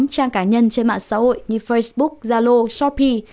và các trang cá nhân trên mạng xã hội như facebook zalo shopee